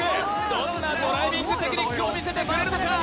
どんなドライビングテクニックを見せてくれるのか？